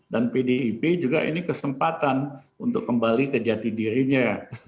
pdip juga ini kesempatan untuk kembali ke jati dirinya